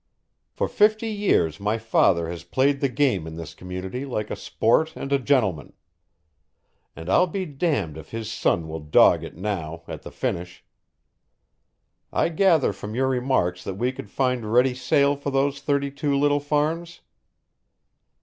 For fifty years my father has played the game in this community like a sport and a gentleman, and I'll be damned if his son will dog it now, at the finish. I gather from your remarks that we could find ready sale for those thirty two little farms?"